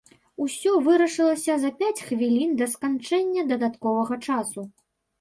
Усё вырашылася за пяць хвілін да сканчэння дадатковага часу.